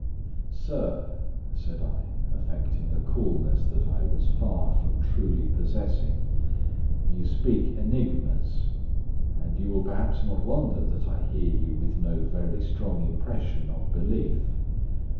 "Sir," said I, affecting a coolness that I was far from truly possessing, "you speak enigmas, and you will perhaps not wonder that I hear you with no very strong impression of belief.